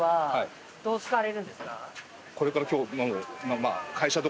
これから今日。